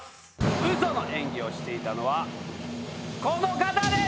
ウソの演技をしていたのはこの方です！